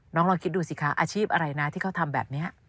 ลองคิดดูสิคะอาชีพอะไรนะที่เขาทำแบบนี้